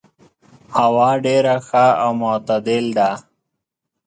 هوا ډېر ښه او معتدل ده.